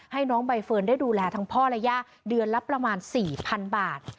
ให้น้องใบเฟิร์นได้ดูแลทั้งพ่อและย่าเดือนละประมาณ๔๐๐๐บาท